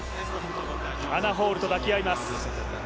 アナ・ホールと抱き合います。